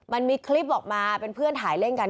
มันมีคลิปออกมาเป็นเพื่อนถ่ายเล่นกัน